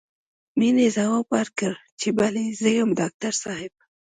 مينې ځواب ورکړ چې بلې زه يم ډاکټر صاحب.